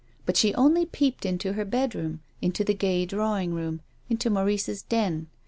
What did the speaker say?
But she only peeped into her bedroom, into the gay drawing room, into Maurice's den.